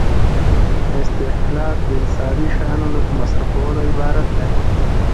استهلاک د اقتصادي شیانو له مصرفولو عبارت دی.